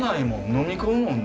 のみ込むもんね。